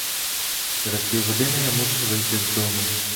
Через півгодини я мушу вийти з дому.